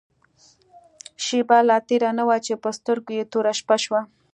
شېبه لا تېره نه وه چې په سترګو يې توره شپه شوه.